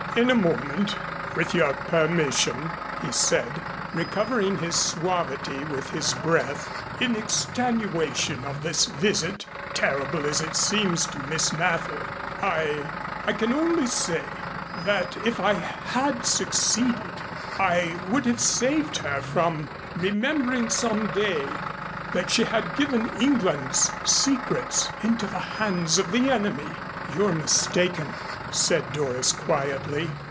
"In a moment with your permission," he said, recovering his suavity with his breath. "In extenuation of this visit, terrible as it seems to Miss Mather, I I can only say that if I had succeeded I would have saved her from remembering some day that she had given England's secrets into the hands of the enemy." "You're mistaken," said Doris quietly.